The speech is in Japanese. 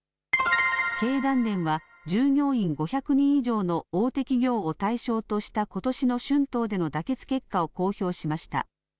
経団連は、従業員５００人以上の大手企業を対象としたことしの春闘での妥結結果を公表しました。